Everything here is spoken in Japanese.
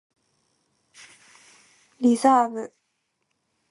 リザーブ